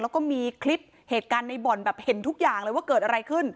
แล้วก็มีคลิปเหตุการณ์ในบ่อนแบบเห็นทุกอย่างเลยว่าเกิดอะไรขึ้น